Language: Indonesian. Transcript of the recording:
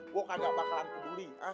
gue kagak bakalan peduli